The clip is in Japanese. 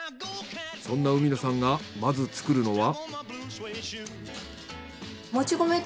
そんな海野さんがまず作るのは。